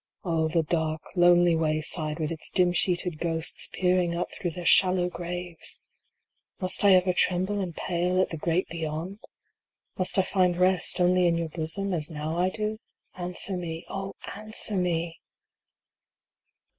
Oh the dark, lonely wayside, with its dim sheeted ghosts peering up through their shallow graves ! 120 ANSWER ME. Must I ever tremble and pale at the great Beyond ? Must I find Rest only in your bosom, as now I do ? Answer me Oh, answer me